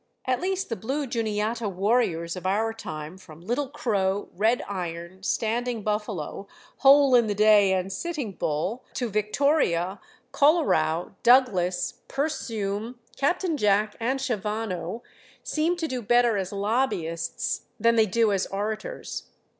At least, the Blue Juniata warriors of our time, from Little Crow, Red Iron, Standing Buffalo, Hole in the Day and Sitting Bull, to Victoria, Colorow, Douglas, Persume, Captain Jack and Shavano, seem to do better as lobbyists than they do as orators.